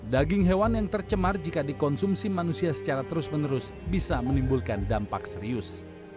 daging hewan yang tercemar jika dikonsumsi manusia secara terus menerus bisa menimbulkan dampak serius